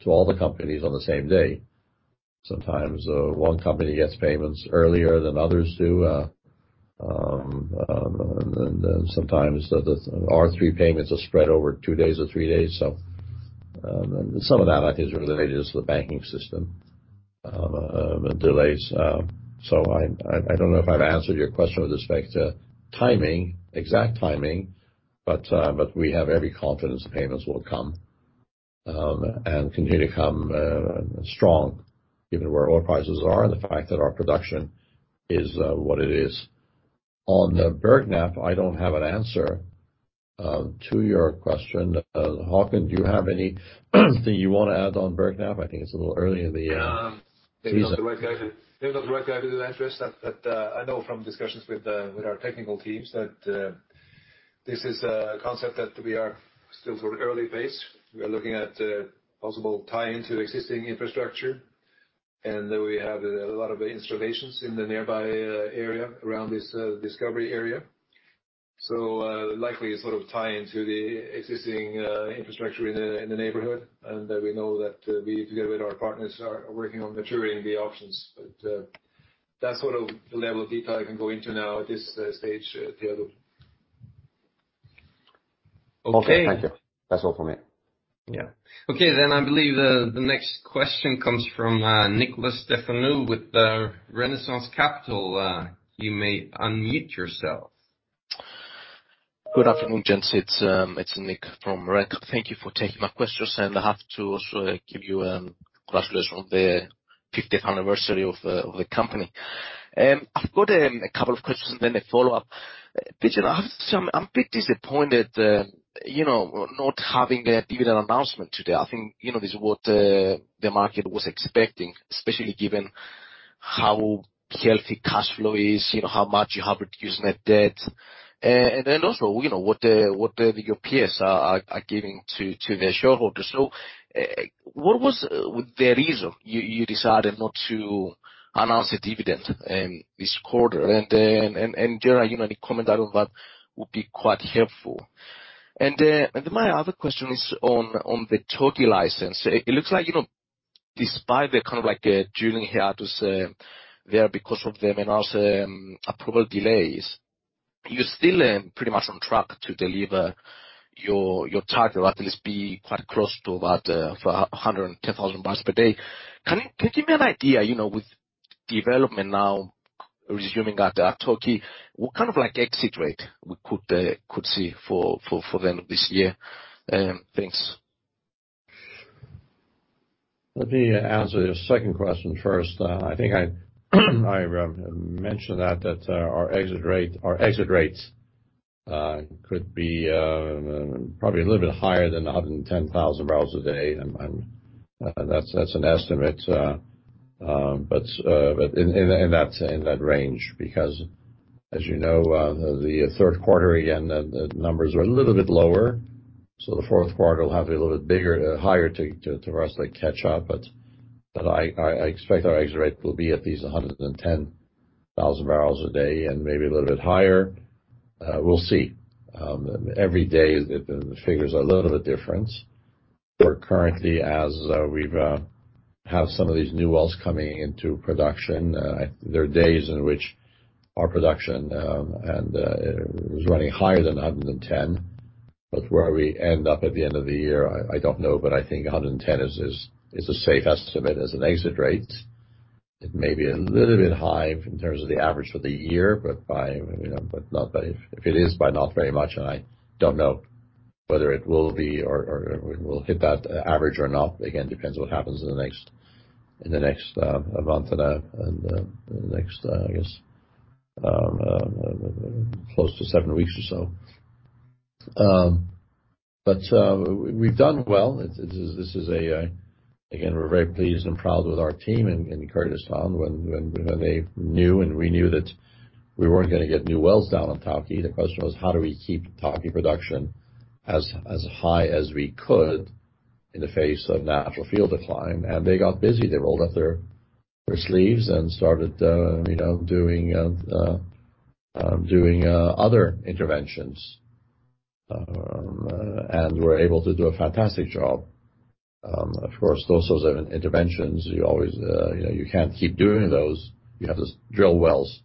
to all the companies on the same day. Sometimes, one company gets payments earlier than others do. Then sometimes the R3 payments are spread over two days or three days. Some of that I think is related to the banking system and delays. I don't know if I've answered your question with respect to timing, exact timing, but we have every confidence the payments will come and continue to come strong given where oil prices are and the fact that our production is what it is. On the Bergknapp, I don't have an answer to your question. Håkon, do you have anything you wanna add on Bergknapp? I think it's a little early in the season. Maybe not the right guy to address that, but I know from discussions with our technical teams that this is a concept that we are still sort of early phase. We are looking at possible tie into existing infrastructure, and we have a lot of installations in the nearby area around this discovery area. Likely sort of tie into the existing infrastructure in the neighborhood, and we know that we together with our partners are working on maturing the options. That's sort of the level of detail I can go into now at this stage, Teodor. Okay. Okay. Thank you. That's all from me. Yeah. Okay. I believe the next question comes from Nikolas Stefanou with Renaissance Capital. You may unmute yourself. Good afternoon, gents. It's Nick from RenCap. Thank you for taking my questions, and I have to also give you congratulations on the fiftieth anniversary of the company. I've got a couple of questions and then a follow-up. Bijan, I have some. I'm a bit disappointed, you know, not having a dividend announcement today. I think, you know, this is what the market was expecting, especially given how healthy cash flow is, you know, how much you have reduced net debt, and then also, you know, what your peers are giving to their shareholders. What was the reason you decided not to announce a dividend this quarter? And generally, you know, any comment at all about would be quite helpful. My other question is on the Tawke license. It looks like, you know, despite the kind of like drilling hiatus there because of the minister approval delays, you're still pretty much on track to deliver your target, or at least be quite close to that, for 110,000 barrels per day. Can you give me an idea, you know, with development now resuming at Tawke, what kind of like exit rate we could see for the end of this year? Thanks. Let me answer your second question first. I think I mentioned that our exit rates could be probably a little bit higher than 110,000 barrels a day. That's an estimate. In that range, because as you know, the third quarter, again, the numbers were a little bit lower, so the fourth quarter will have a little bit higher to relatively catch up. I expect our exit rate will be at least 110,000 barrels a day and maybe a little bit higher. We'll see. Every day the figures are a little bit different. We're currently, as we have some of these new wells coming into production. There are days in which our production is running higher than 110, but where we end up at the end of the year, I don't know, but I think 110 is a safe estimate as an exit rate. It may be a little bit high in terms of the average for the year, but by, you know, but not very. If it is, by not very much, and I don't know whether it will be or we'll hit that average or not. Again, depends what happens in the next month and the next, I guess, close to 7 weeks or so. But we've done well. This is a. Again, we're very pleased and proud with our team in Kurdistan when they knew and we knew that we weren't gonna get new wells down on Tawke. The question was how do we keep Tawke production as high as we could in the face of natural field decline. They got busy. They rolled up their sleeves and started doing other interventions. We're able to do a fantastic job. Of course, those sorts of interventions, you always can't keep doing those. You have to drill wells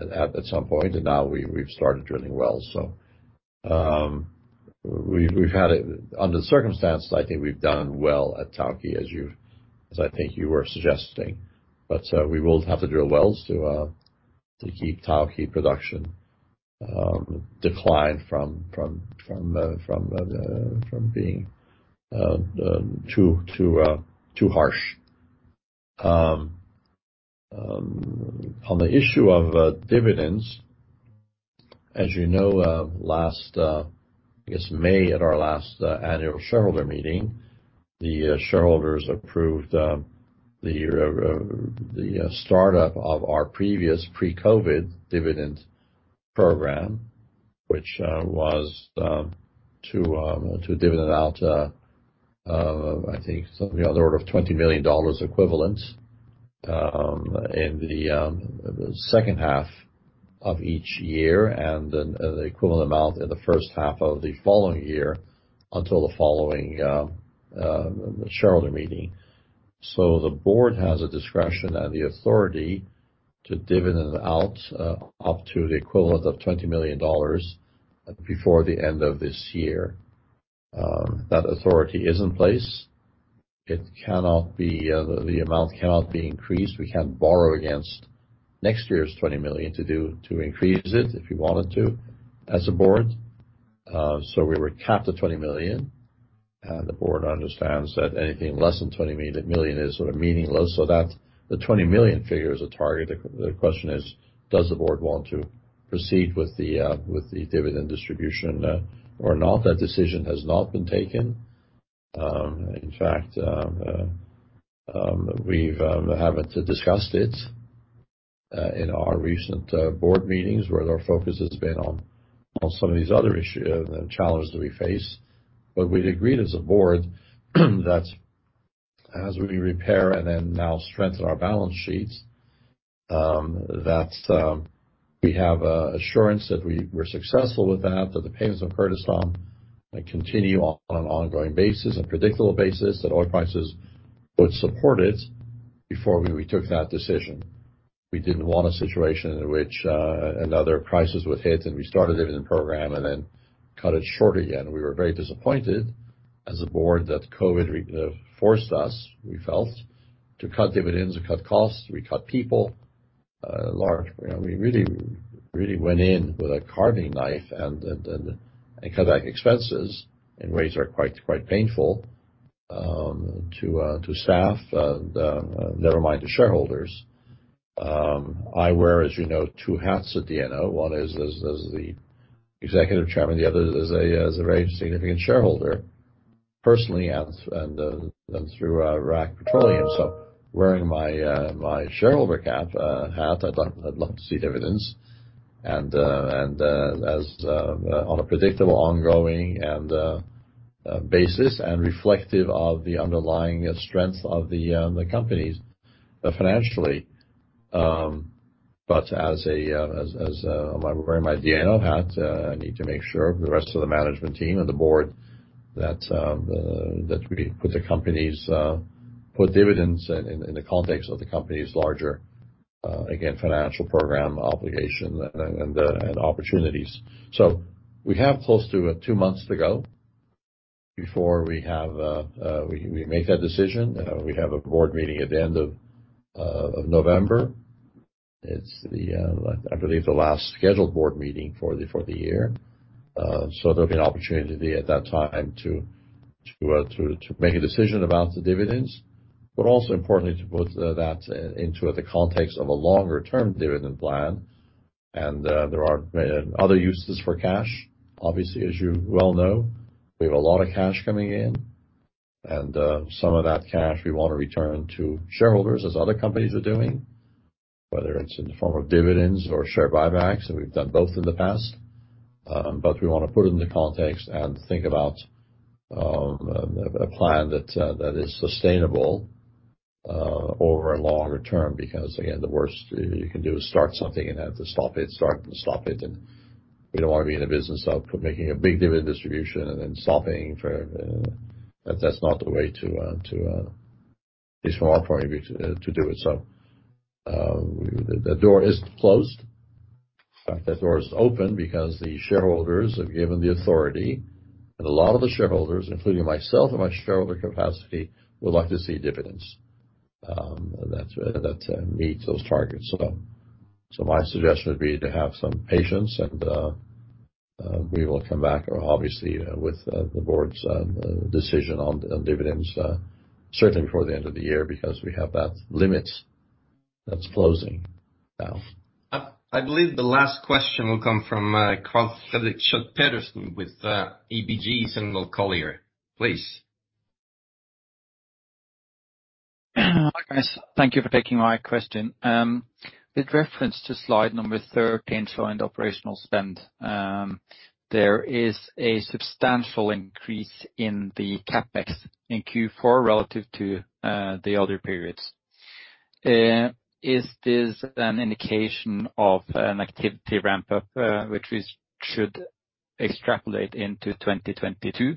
at some point, and now we've started drilling wells. We've had it under the circumstances. I think we've done well at Tawke, as I think you were suggesting. We will have to drill wells to keep Tawke production decline from being too harsh. On the issue of dividends, as you know, last, I guess, May at our last annual shareholder meeting, the shareholders approved the startup of our previous pre-COVID dividend program. Which was to dividend out, I think something on the order of $20 million equivalent, in the second half of each year and then the equivalent amount in the first half of the following year until the following shareholder meeting. The board has a discretion and the authority to dividend out up to the equivalent of $20 million before the end of this year. That authority is in place. It cannot be, the amount cannot be increased. We can't borrow against next year's $20 million to increase it if we wanted to as a board. We were capped at $20 million. The board understands that anything less than $20 million is sort of meaningless. The $20 million figure is a target. The question is: Does the board want to proceed with the dividend distribution or not? That decision has not been taken. In fact, we haven't discussed it in our recent board meetings, where our focus has been on some of these other challenges that we face. We'd agreed as a board that as we repair and then now strengthen our balance sheets, that we have a assurance that we're successful with that the payments of Kurdistan, like, continue on an ongoing basis, a predictable basis, that oil prices would support it before we took that decision. We didn't want a situation in which another crisis would hit, and we started a dividend program and then cut it short again. We were very disappointed as a board that COVID forced us, we felt, to cut dividends, to cut costs. We cut people large. You know, we really went in with a carving knife and cut out expenses in ways that are quite painful to staff, never mind the shareholders. I wear, as you know, two hats at DNO. One is the Executive Chairman, the other is a very significant shareholder, personally and through RAK Petroleum. Wearing my shareholder hat, I'd love to see dividends on a predictable, ongoing basis and reflective of the underlying strength of the companies financially. But I'm wearing my DNO hat, I need to make sure the rest of the management team and the board that we put the company's dividends in the context of the company's larger financial program obligation and opportunities. We have close to two months to go before we make that decision. We have a board meeting at the end of November. It's I believe the last scheduled board meeting for the year. There'll be an opportunity at that time to make a decision about the dividends. Also importantly, to put that into the context of a longer-term dividend plan. There are other uses for cash. Obviously, as you well know, we have a lot of cash coming in. Some of that cash we wanna return to shareholders as other companies are doing. Whether it's in the form of dividends or share buybacks, and we've done both in the past. We wanna put it in the context and think about a plan that is sustainable over a longer term. Because again, the worst you can do is start something and have to stop it, start and stop it. We don't wanna be in a business of making a big dividend distribution and then stopping. That's not the way to at least from our point of view to do it. The door isn't closed. In fact, that door is open because the shareholders have given the authority. A lot of the shareholders, including myself and my shareholder capacity, would like to see dividends and that meet those targets. My suggestion would be to have some patience and we will come back obviously with the board's decision on dividends certainly before the end of the year, because we have that limit that's closing now. I believe the last question will come from Karl Fredrik Schjøtt-Pedersen with ABG Sundal Collier. Please. Hi, guys. Thank you for taking my question. With reference to slide number 13, so in operational spend, there is a substantial increase in the CapEx in Q4 relative to the other periods. Is this an indication of an activity ramp up, which we should extrapolate into 2022?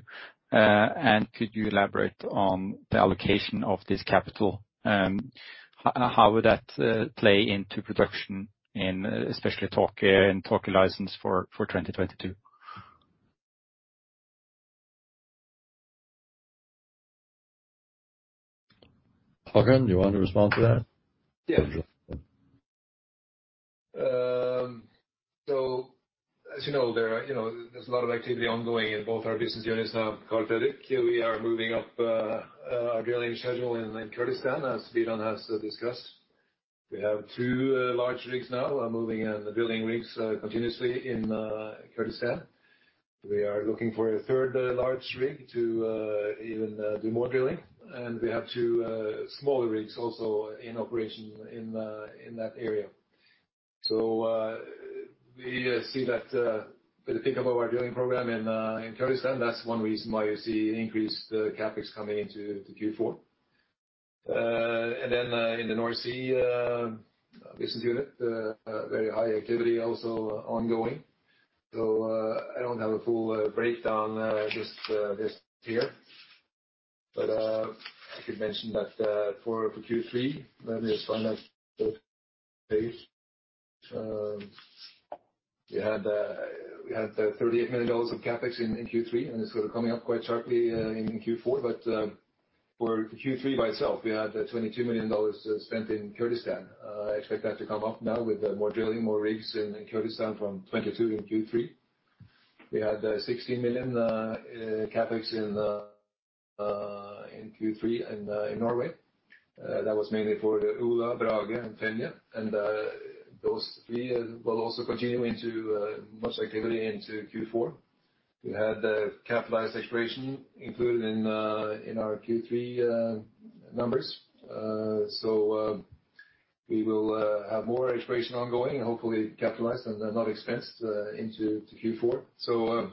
And could you elaborate on the allocation of this capital? How would that play into production in especially Tawke license for 2022? Håkon, do you want to respond to that? Yeah. So as you know there, you know, there's a lot of activity ongoing in both our business units now, Karl Fredrik. We are moving up our drilling schedule in Kurdistan, as Bijan has discussed. We have two large rigs now moving and drilling rigs continuously in Kurdistan. We are looking for a third large rig to even do more drilling. We have two smaller rigs also in operation in that area. We see that for the pickup of our drilling program in Kurdistan, that's one reason why you see increased CapEx coming into Q4. In the North Sea business unit, very high activity also ongoing. I don't have a full breakdown, just here, but I could mention that, for the Q3, let me just find that page. We had $38 million of CapEx in Q3, and it's sort of coming up quite sharply in Q4. For Q3 by itself, we had $22 million spent in Kurdistan. I expect that to come up now with more drilling, more rigs in Kurdistan from $22 million in Q3. We had $16 million CapEx in Q3 in Norway. That was mainly for the Ula, Brasse, and Penélope. Those three will also continue into much activity into Q4. We had the capitalized exploration included in our Q3 numbers. We will have more exploration ongoing and hopefully capitalized and not expensed into Q4.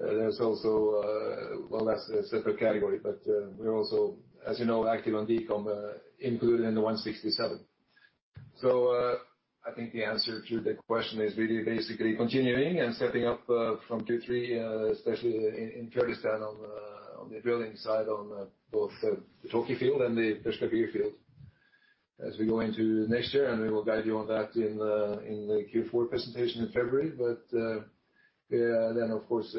There's also that's a separate category, but we're also, as you know, active on decom included in the $167. I think the answer to the question is really basically continuing and stepping up from Q3, especially in Kurdistan on the drilling side on both the Tawke field and the Peshkabir field as we go into next year. We will guide you on that in the Q4 presentation in February. Yeah, then of course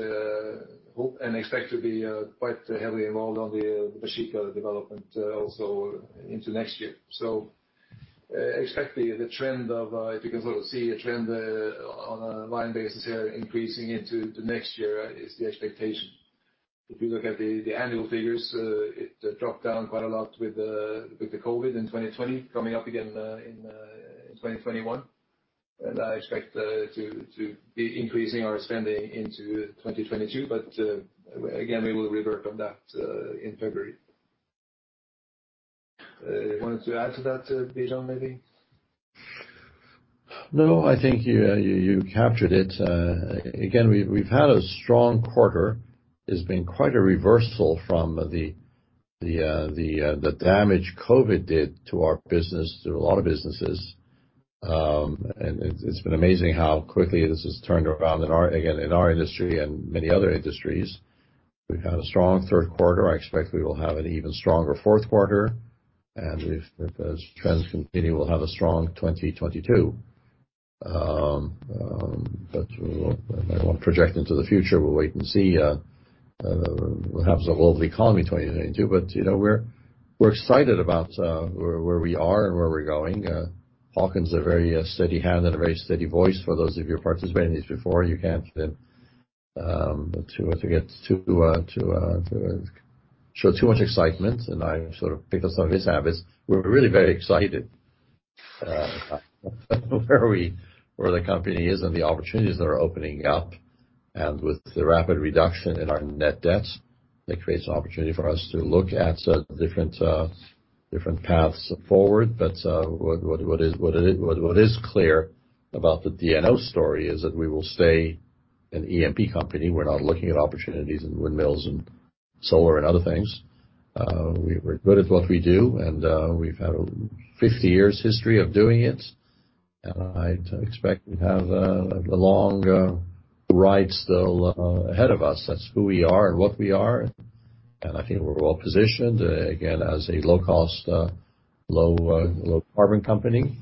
hope and expect to be quite heavily involved on the Baeshiqa development also into next year. Expect the trend of if you can sort of see a trend on a line basis here increasing into the next year is the expectation. If you look at the annual figures, it dropped down quite a lot with the COVID in 2020, coming up again in 2021. I expect to be increasing our spending into 2022. Again, we will revert on that in February. Wanted to add to that, Bijan, maybe? No, I think you captured it. Again, we've had a strong quarter. It's been quite a reversal from the damage COVID did to our business, to a lot of businesses. It's been amazing how quickly this has turned around in our industry again and many other industries. We've had a strong third quarter. I expect we will have an even stronger fourth quarter. If those trends continue, we'll have a strong 2022. But we won't, I won't project into the future. We'll wait and see what happens to the world economy 2022. You know, we're excited about where we are and where we're going. Håkon's a very steady hand and a very steady voice for those of you participating in this before. You can't show too much excitement. I sort of pick up some of his habits. We're really very excited where the company is and the opportunities that are opening up. With the rapid reduction in our net debt, that creates an opportunity for us to look at different paths forward. What is clear about the DNO story is that we will stay an E&P company. We're not looking at opportunities in windmills and solar and other things. We're good at what we do, and we've had 50 years history of doing it, and I'd expect we have a long ride still ahead of us. That's who we are and what we are. I think we're well-positioned, again, as a low-cost, low-carbon company.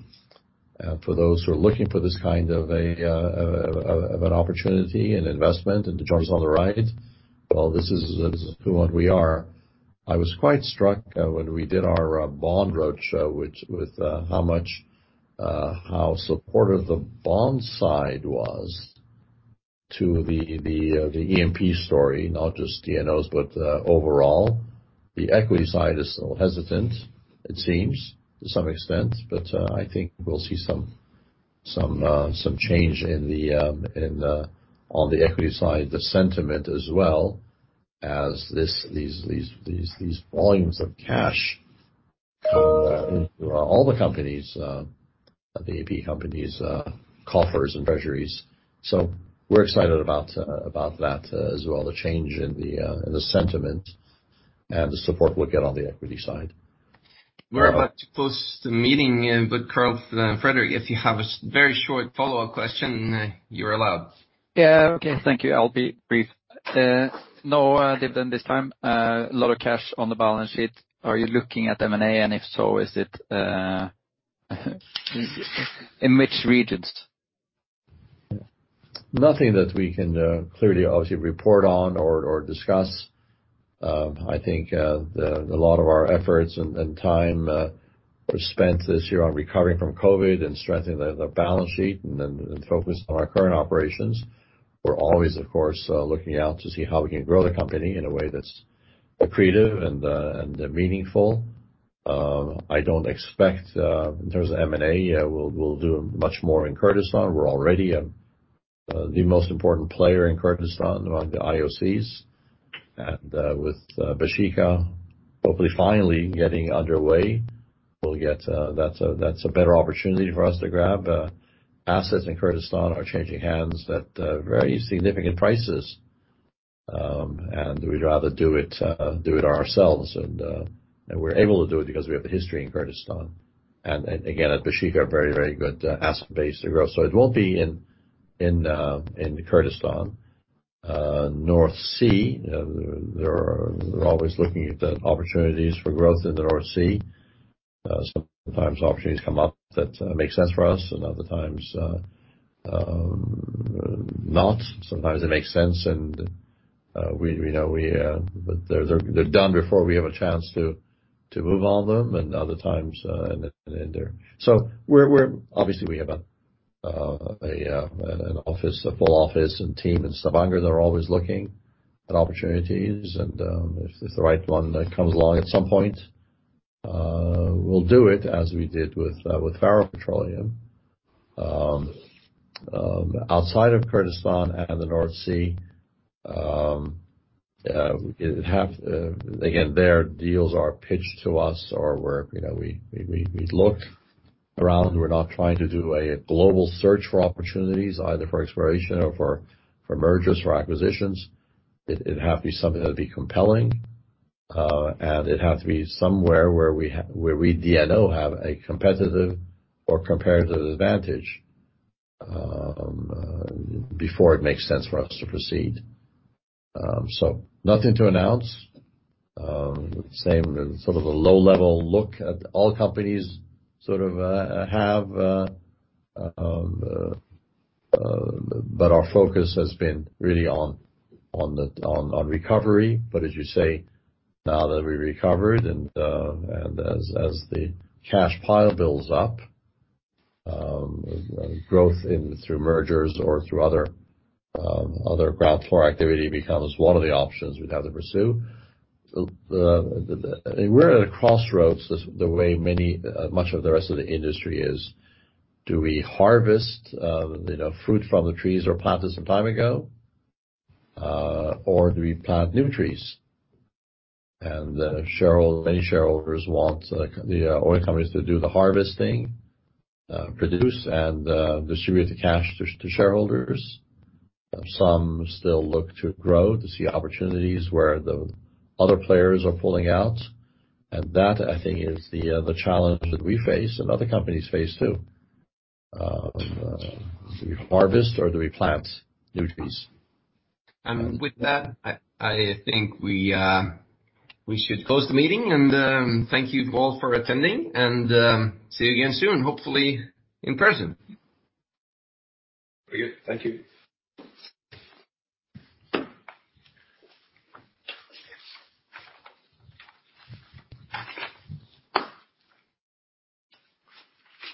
For those who are looking for this kind of an opportunity and investment and to join us on the ride, well, this is who and what we are. I was quite struck when we did our Bond Roadshow with how supportive the bond side was to the E&P story, not just DNO's, but overall. The equity side is still hesitant, it seems, to some extent, but I think we'll see some change in the sentiment on the equity side as well as these volumes of cash come into all the companies of the E&P companies, coffers and treasuries. We're excited about that as well, the change in the sentiment and the support we'll get on the equity side. We're about to close the meeting, but Karl Frederick, if you have a very short follow-up question, you're allowed. Yeah. Okay. Thank you. I'll be brief. No, different this time. A lot of cash on the balance sheet. Are you looking at M&A? If so, is it in which regions? Nothing that we can clearly obviously report on or discuss. I think a lot of our efforts and time were spent this year on recovering from COVID and strengthening the balance sheet and then focus on our current operations. We're always of course looking out to see how we can grow the company in a way that's accretive and meaningful. I don't expect in terms of M&A we'll do much more in Kurdistan. We're already the most important player in Kurdistan among the IOCs. With Baeshiqa, hopefully finally getting underway, we'll get. That's a better opportunity for us to grab. Assets in Kurdistan are changing hands at very significant prices, and we'd rather do it ourselves. We're able to do it because we have a history in Kurdistan. Again, at Baeshiqa, a very good asset base to grow. It won't be in Kurdistan. North Sea. We're always looking at the opportunities for growth in the North Sea. Sometimes opportunities come up that make sense for us, and other times not. Sometimes it makes sense and we know we. But they're done before we have a chance to move on them, and other times and then they're. Obviously, we have an office, a full office and team in Stavanger that are always looking at opportunities and, if the right one comes along at some point, we'll do it as we did with Faroe Petroleum. Outside of Kurdistan and the North Sea. Again, their deals are pitched to us or we're, you know, we look around. We're not trying to do a global search for opportunities, either for exploration or for mergers or acquisitions. It'd have to be something that would be compelling, and it'd have to be somewhere where we DNO have a competitive or comparative advantage before it makes sense for us to proceed. Nothing to announce. Our focus has been really on recovery. As you say, now that we recovered and as the cash pile builds up, growth in through mergers or through other ground floor activity becomes one of the options we'd have to pursue. We're at a crossroads the way much of the rest of the industry is. Do we harvest you know fruit from the trees or plant it some time ago or do we plant new trees? Many shareholders want the oil companies to do the harvesting, produce and distribute the cash to shareholders. Some still look to grow, to see opportunities where the other players are pulling out. That, I think, is the challenge that we face and other companies face too. Do we harvest or do we plant new trees? With that, I think we should close the meeting. Thank you all for attending and see you again soon, hopefully in person. Very good. Thank you.